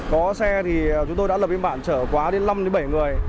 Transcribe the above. có xe thì chúng tôi đã lập biên bản trở quá đến năm bảy người